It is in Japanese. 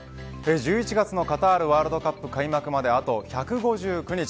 １１月のカタールワールドカップ開幕まであと１５９日。